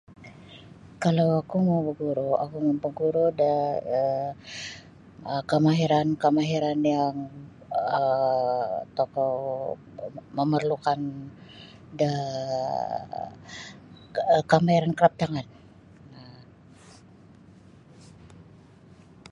Kalau oku mau baguru oku mau baguru da um kamahiran-kamahiran yang um tokou mamarlukan da kamahiran kraftangan.